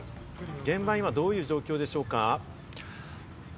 現場は今どういう状況でしょうか？